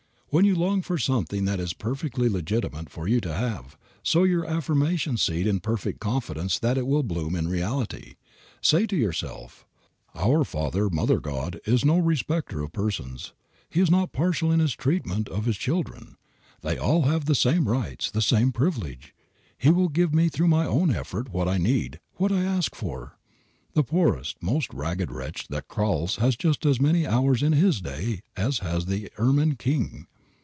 When you long for something that it is perfectly legitimate for you to have, sow your affirmation seed in perfect confidence that it will bloom in reality. Say to yourself, "Our Father Mother God is no respecter of persons. He is not partial in his treatment of His children. They all have the same rights, the same privileges. He will give me through my own effort what I need, what I ask for. The poorest, most ragged wretch that crawls has just as many hours in his day as has the ermined king.